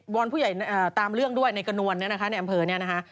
อนผู้ใหญ่ตามเรื่องด้วยในกระนวลเนี่ยนะคะในอำเภอเนี่ยนะคะ